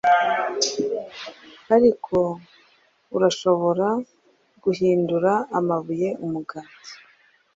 Ariko urashobora guhindura amabuye umugati.